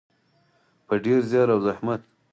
په ډیر زیار او زحمت.